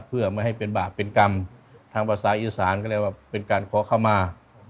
เพื่อไม่ให้เป็นบาปเป็นกรรมทางภาษาอีสานก็เรียกว่าเป็นการขอเข้ามา